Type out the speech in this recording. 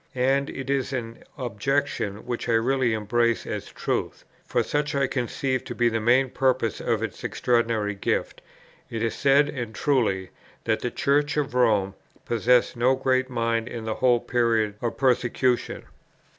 And it is an objection which I really embrace as a truth; for such I conceive to be the main purpose of its extraordinary gift. It is said, and truly, that the Church of Rome possessed no great mind in the whole period of persecution.